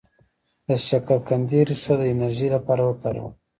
د شکرقندي ریښه د انرژی لپاره وکاروئ